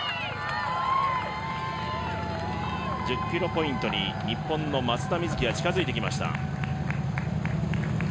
１０ｋｍポイントに日本の松田瑞生が近づいてきました。